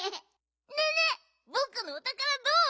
ねえねえぼくのおたからどう？